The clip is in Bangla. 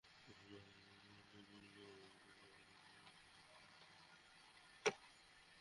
অথচ সরকার ক্রমবর্ধমান বেকার জনগোষ্ঠীর জন্য কর্মসংস্থানের যথাযথ সুযোগ সৃষ্টি করতে অক্ষম।